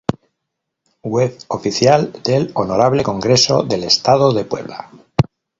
Web oficial del Honorable Congreso del Estado de Puebla